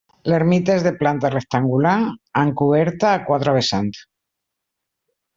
L'ermita és de planta rectangular, amb coberta a quatre vessant.